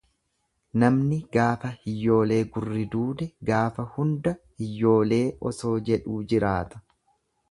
Namni gaafa hiyyoolee gurri duude gaafa hunda hiyyoolee osoo jedhuu jiraata.